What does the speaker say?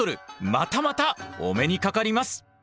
またまたお目にかかります！